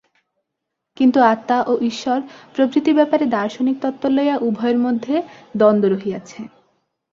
কিন্তু আত্মা ও ঈশ্বর প্রভৃতি ব্যাপারে দার্শনিক তত্ত্ব লইয়া উভয়ের মধ্যে দ্বন্দ্ব রহিয়াছে।